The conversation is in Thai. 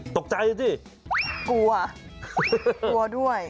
ตกใจเหรอจิกลัวเกลูวด้วย